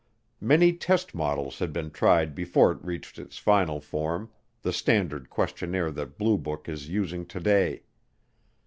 Many test models had been tried before it reached its final form the standard questionnaire that Blue Book is using today.